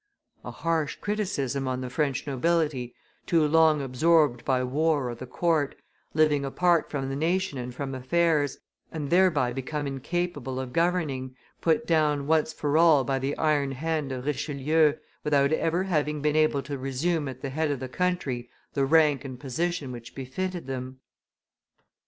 A harsh criticism on the French nobility, too long absorbed by war or the court, living apart from the nation and from affairs, and thereby become incapable of governing, put down once for all by the iron hand of Richelieu, without ever having been able to resume at the head of the country the rank and position which befitted them.